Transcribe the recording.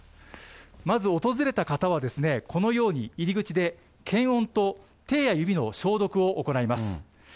まず訪れた方は、このように入り口で検温と、手や指の消毒を行います。